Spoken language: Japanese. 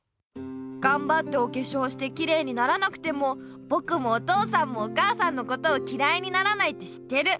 がんばっておけしょうしてきれいにならなくてもぼくもお父さんもお母さんのことをきらいにならないって知ってる。